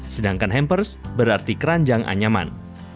sedangkan hampers berarti keranjang anyaman